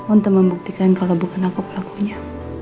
untuk membuktikan kalau bukan aku pelakunya